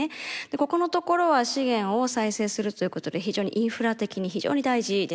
ここのところは資源を再生するということで非常にインフラ的に非常に大事です。